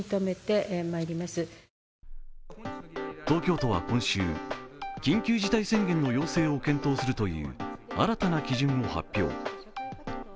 東京都は今週、緊急事態宣言の要請を検討するという新たな基準を発表。